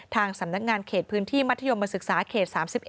ทางสำนักงานเขตพื้นที่มัธยมศึกษาเขต๓๑